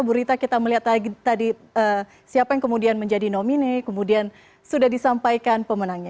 bu rita kita melihat tadi siapa yang kemudian menjadi nomine kemudian sudah disampaikan pemenangnya